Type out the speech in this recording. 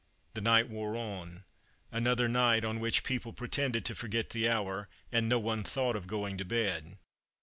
The night wore on — another night on which people pretended to forget the hour, and no one thought of going to bed.